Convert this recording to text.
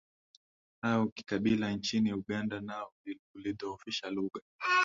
au kikabila nchini Uganda nao ulidhoofisha lugha